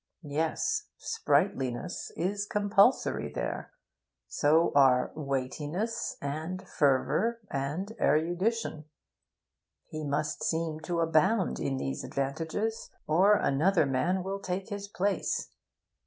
Yes, sprightliness is compulsory there; so are weightiness, and fervour, and erudition. He must seem to abound in these advantages, or another man will take his place.